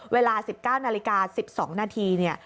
เวลา๑๙นาฬิกา๑๒นาที